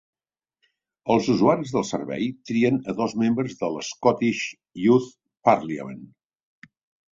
Els usuaris del servei trien a dos membres del Scottish Youth Parliament.